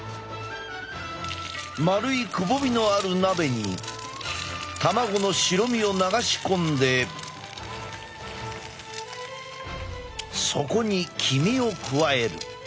丸いくぼみのある鍋に卵の白身を流し込んでそこに黄身を加える。